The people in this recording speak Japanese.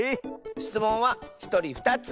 しつもんはひとり２つ。